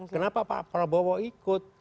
kenapa pak prabowo ikut